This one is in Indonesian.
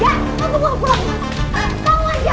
kamu ajak aku kemana mas bingung